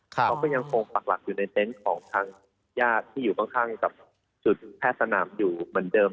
เขาก็ยังคงปักหลักอยู่ในเต็นต์ของทางญาติที่อยู่ข้างกับจุดแพทย์สนามอยู่เหมือนเดิม